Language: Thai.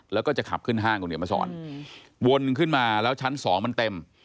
แล้วก็จะขับขึ้นห้างคุณเหนียวมาสอนวนขึ้นมาแล้วชั้นสองมันเต็ม